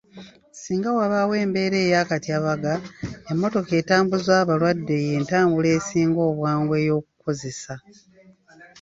Singa wabaawo embeera y'akatyabaga, emmotoka etambuza abalwadde y'entambula esinga obwangu ey'okukozesa.